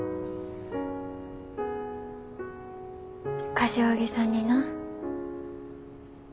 柏木さんにな。